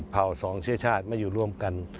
๗เผ่า๒เชื้อชาติมาอยู่ร่วมกัน